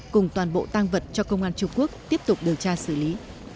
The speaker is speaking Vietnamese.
cùng toàn bộ tang vật cho công an trung quốc tiếp tục điều tra xử lý